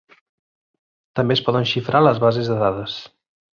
També es poden xifrar les bases de dades.